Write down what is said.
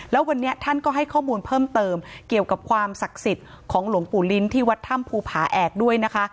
แล้ววันนี้ท่านก็ให้ข้อมูลเพิ่มเติมเกี่ยวกับความศักดิ์สิทธิ์ของหลวงปู่ลิ้นที่วัดถ้ำภูผาแอกด้วยนะคะ